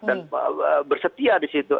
karena perempuan bisa bersetia di situ